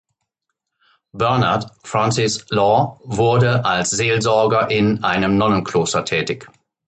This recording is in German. Bernard Francis Law wurde als Seelsorger in einem Nonnenkloster tätig.